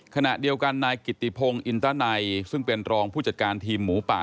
ขณะเดียวกันนายกิติพงศ์อินตนัยซึ่งเป็นรองผู้จัดการทีมหมูป่า